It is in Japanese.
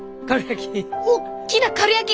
おっきなかるやき！